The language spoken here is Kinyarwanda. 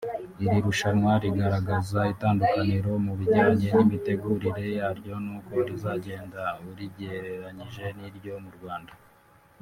Iri rushanwa rigaragaza itandukaniro mu bijyanye n’imitegurire yaryo n’uko rizagenda urigereranyije n’iryo mu Rwanda